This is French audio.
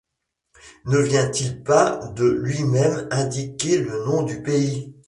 Ne vient-il pas de lui-même indiquer le nom du pays ?